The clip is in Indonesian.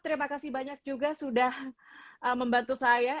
terima kasih banyak juga sudah membantu saya